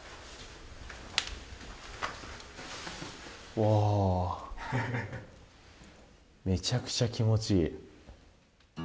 お、めちゃくちゃ気持ちいい。